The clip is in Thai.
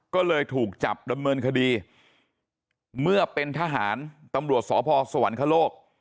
ก็เลยถูกจับดำเนินคดีเมื่อเป็นทหารตำรวจสพสวรรคโลก